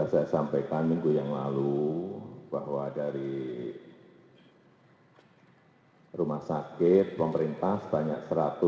saya kira sudah saya sampaikan minggu yang lalu bahwa dari rumah sakit pemerintah sebanyak satu ratus tiga puluh dua